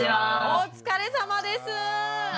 お疲れさまです。